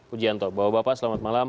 ujianto bapak bapak selamat malam